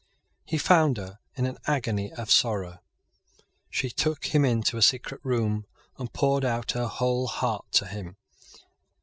He found her in an agony of sorrow. She took him into a secret room, and poured out her whole heart to him.